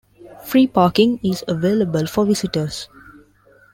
Free parking is available for visitors.